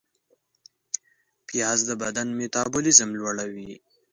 پیاز د بدن میتابولیزم لوړوي